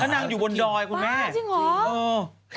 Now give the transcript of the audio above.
นางอยู่บนดอยคุณแม่จริงเหรอ